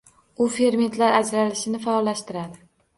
U fermentlar ajralishini faollashtiradi.